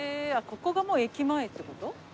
ここがもう駅前って事？